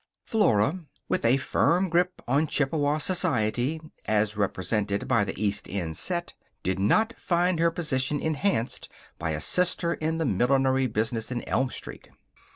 Flora, with a firm grip on Chippewa society, as represented by the East End set, did not find her position enhanced by a sister in the millinery business in Elm Street.